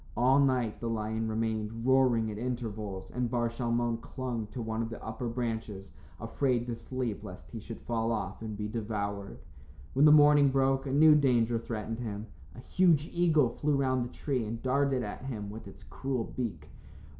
All night the lion remained, roaring at intervals, and Bar Shalmon clung to one of the upper branches afraid to sleep lest he should fall off and be devoured. When morning broke, a new danger threatened him. A huge eagle flew round the tree and darted at him with its cruel beak.